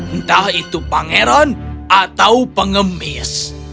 entah itu pangeran atau pengemis